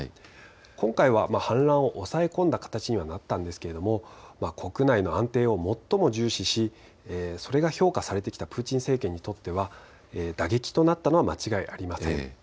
今回は反乱を抑え込んだ形にはなったんですが国内の安定を最も重視しそれが評価されてきたプーチン政権にとっては打撃となったのは間違いありません。